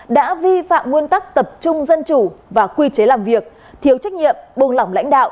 đã vi phạm nguyên tắc tập trung dân chủ và quy chế làm việc thiếu trách nhiệm buông lỏng lãnh đạo